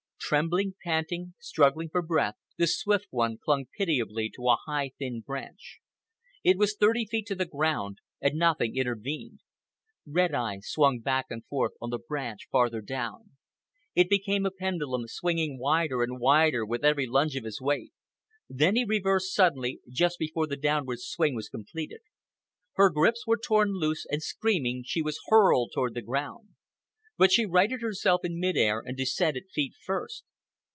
Trembling, panting, struggling for breath, the Swift One clung pitiably to a high thin branch. It was thirty feet to the ground, and nothing intervened. Red Eye swung back and forth on the branch farther down. It became a pendulum, swinging wider and wider with every lunge of his weight. Then he reversed suddenly, just before the downward swing was completed. Her grips were torn loose, and, screaming, she was hurled toward the ground. But she righted herself in mid air and descended feet first.